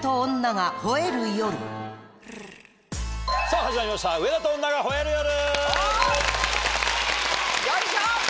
さぁ始まりました『上田と女が吠える夜』！